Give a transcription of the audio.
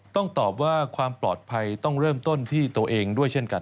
ต้องตอบว่าความปลอดภัยต้องเริ่มต้นที่ตัวเองด้วยเช่นกัน